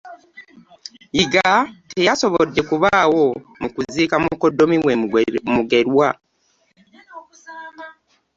Yiga teyasobodde kubaawo mu kuziika mukoddomi we Mugerwa.